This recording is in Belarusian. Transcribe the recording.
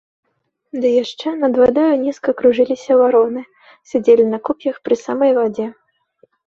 Ды яшчэ над вадою нізка кружыліся вароны, сядзелі на куп'ях пры самай вадзе.